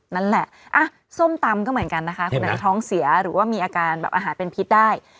นั่นแหละส้มตำก็เหมือนกันนะคะคนไหนท้องเสียหรือว่ามีอาการแบบอาหารเป็นพิษได้